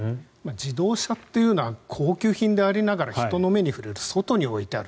自動車というのは高級品でありながら人の目に触れる外に置いてある。